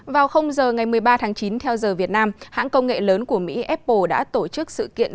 vào giờ ngày một mươi ba tháng chín theo giờ việt nam hãng công nghệ lớn của mỹ apple đã tổ chức sự kiện